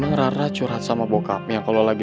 pagi pagi saya udah ganggu